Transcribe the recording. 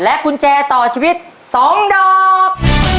กุญแจต่อชีวิต๒ดอก